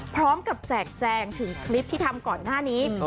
พร้อมกับแจกแจงถึงคลิปที่ทำก่อนหน้านี้